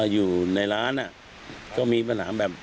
อยู่ในร้านก็มีปัญหาแบบ